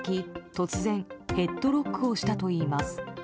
突然、ヘッドロックをしたといいます。